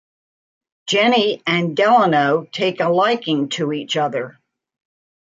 Jenny and Delano take a liking to each other.